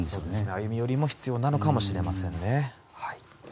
歩み寄りも必要かもしれません。